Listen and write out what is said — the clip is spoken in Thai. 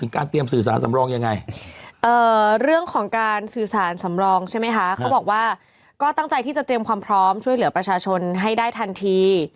เขาบอกว่าก็ตั้งใจที่จะเตรียมความพร้อมช่วยเหลือประชาชนให้ได้ทันที